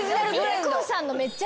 ＩＫＫＯさんの。